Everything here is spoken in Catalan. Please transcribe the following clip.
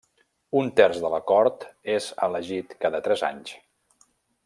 Un terç de la Cort és elegit cada tres anys.